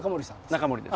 中森です。